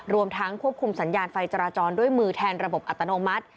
รวมทั้งควบคุมสัญญาณไฟจราจรด้วยมือแทนระบบอัตโนมัติ